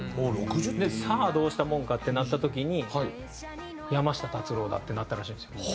さあどうしたものかってなった時に山下達郎だってなったらしいんですよ。